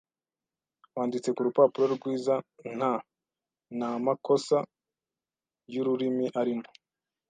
Wanditse ku rupapuro rwiza nta n’amakosa y’ururimi arimo